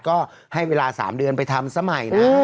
ก็ให้เวลา๓เดือนไปทำซะใหม่นะ